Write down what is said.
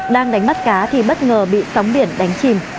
đang đánh bắt cá thì bất ngờ bị sóng biển đánh chìm